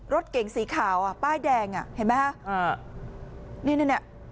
รถเก๋งสีขาวอ่ะป้ายแดงอ่ะเห็นไหมฮะนี่